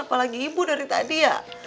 apalagi ibu dari tadi ya